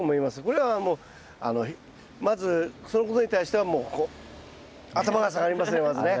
これはもうまずそのことに対してはもうこう頭が下がりますねまずね。